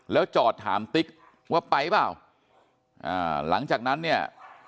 แล้วจอดถามติ๊กว่าไปเปล่าอ่าหลังจากนั้นเนี่ย